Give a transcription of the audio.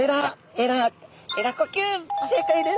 えら呼吸正解です。